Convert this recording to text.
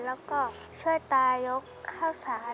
แล้วก็ช่วยตายกข้าวสาร